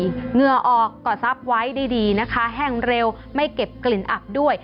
เหงื่อออกก็ซับไว้ดีนะคะแห้งเร็วไม่เก็บกลิ่นอับด้วย